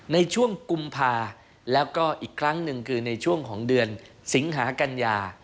ในช่วงกุมภาแล้วก็อีกครั้งหนึ่งคือในช่วงของเดือนสิงหากัญญา